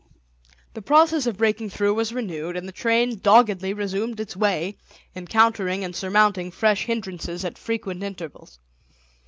The process of breaking through was renewed, and the train doggedly resumed its way, encountering and surmounting fresh hindrances at frequent intervals.